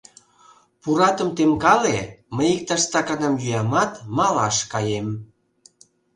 — Пуратым темкале, мый иктаж стаканым йӱамат, малаш каем.